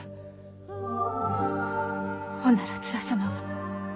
ほんなら津田様は。